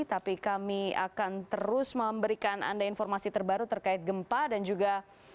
tapi kami akan terus memberikan anda informasi terbaru terkait gempa dan juga